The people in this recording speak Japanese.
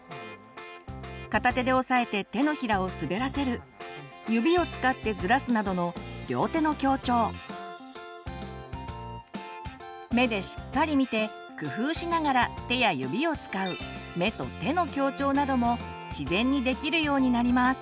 片手で押さえて手のひらを滑らせる指を使ってずらすなどの目でしっかり見て工夫しながら手や指を使う自然にできるようになります。